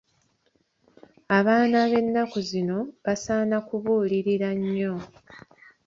Abaana b'ennaku zino basaana kubuulirira nnyo.